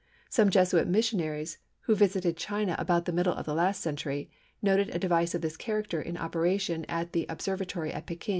Some Jesuit missionaries who visited China about the middle of the last century, noticed a device of this character in operation at the Observatory at Pekin.